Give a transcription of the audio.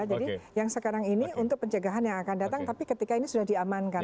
jadi yang sekarang ini untuk pencegahan yang akan datang tapi ketika ini sudah diamankan